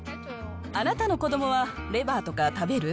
あなたの子どもは、レバーとか食べる？